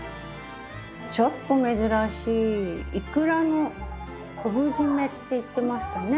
ちょっと珍しいいくらの昆布締めって言ってましたね。